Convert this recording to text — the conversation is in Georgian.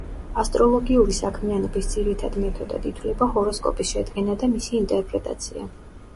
ასტროლოგიური საქმიანობის ძირითად მეთოდად ითვლება ჰოროსკოპის შედგენა და მისი ინტერპრეტაცია.